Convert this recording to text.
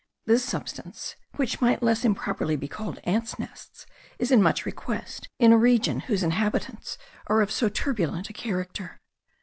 This substance, which might less improperly be called ants' nests, is in much request in a region whose inhabitants are of so turbulent a character.